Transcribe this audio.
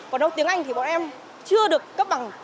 còn đâu tiếng anh thì bọn em chưa được cấp bằng